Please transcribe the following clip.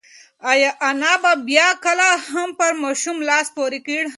ایا انا به بیا کله هم پر ماشوم لاس پورته کړي؟